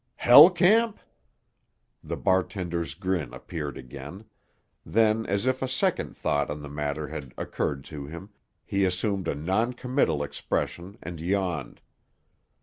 "Hell Camp?" The bartender's grin appeared again; then, as if a second thought on the matter had occurred to him, he assumed a noncommittal expression and yawned.